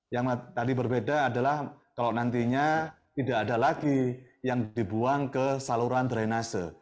yang tadi berbeda adalah kalau nantinya tidak ada lagi yang dibuang ke saluran drainase